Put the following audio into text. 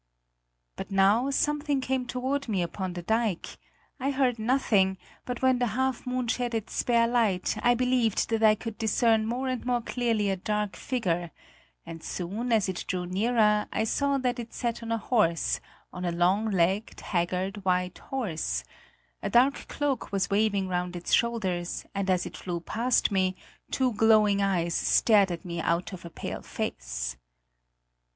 But now something came toward me upon the dike; I heard nothing, but when the half moon shed its spare light, I believed that I could discern more and more clearly a dark figure, and soon, as it drew nearer, I saw that it sat on a horse, on a long legged, haggard, white horse; a dark cloak was waving round its shoulders, and as it flew past me, two glowing eyes stared at me out of a pale face.